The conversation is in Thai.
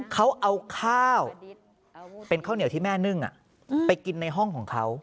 เขาเอาข้าวเป็นข้าวเหนียวที่แม่นึ่งไปกินในห้องของเขา